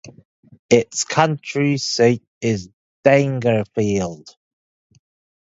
Its county seat is Daingerfield.